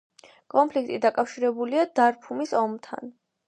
კონფლიქტი დაკავშირებულია დარფურის ომთან.